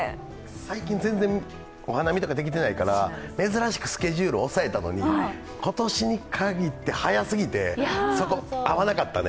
最近、全然お花見とかできていないから珍しくスケジュールを押さえたのに今年にかぎって早すぎて、そこ、合わなかったね。